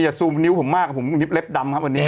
ซูมนิ้วผมมากกับผมเล็บดำครับวันนี้